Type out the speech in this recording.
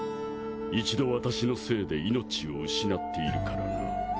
一度私のせいで命を失っているからな。